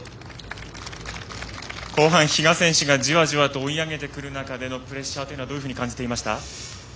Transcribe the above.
後半、比嘉選手がじわじわと追い上げてくる中でのプレッシャーはどういうふうに感じていました？